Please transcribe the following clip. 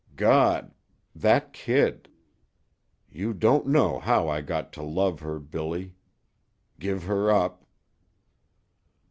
God... that kid... You don't know how I got to love her, Billy.... give her up..."